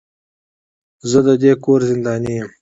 زه د دې کور زنداني يم.